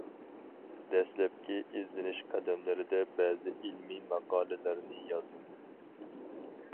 دەسلەپكى ئىزدىنىش قەدەملىرىمدە بەزى ئىلمىي ماقالىلەرنى يازدىم.